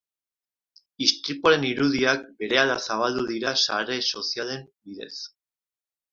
Istripuaren irudiak berehala zabaldu dira sare sozialen bidez.